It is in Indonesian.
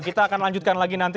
kita akan lanjutkan lagi nanti